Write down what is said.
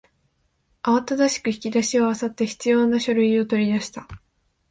慌ただしく引き出しを漁って必要な書類を取り出した